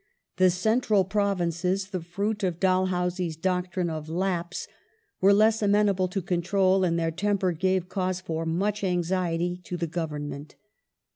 The Central Provinces, the fruit of Dalhousie's doctrine of Lapse," were less amenable to control, and their temper gave cause for much anxiety to the Government.